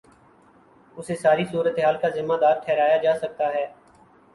اسے ساری صورت حال کا ذمہ دار ٹھہرایا جا سکتا ہے۔